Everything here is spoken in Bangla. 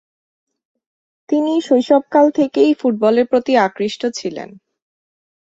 তিনি শৈশবকাল থেকেই ফুটবলের প্রতি আকৃষ্ট ছিলেন।